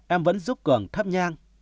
em vẫn giúp cường thắp nhang